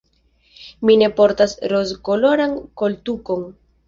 Mi ne portas rozkoloran koltukon.